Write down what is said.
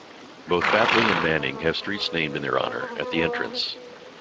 Both Battley and Manning have streets named in their honour at The Entrance.